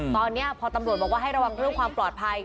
ตอนนี้พอตำรวจบอกว่าให้ระวังเรื่องความปลอดภัย